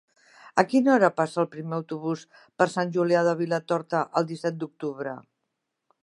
A quina hora passa el primer autobús per Sant Julià de Vilatorta el disset d'octubre?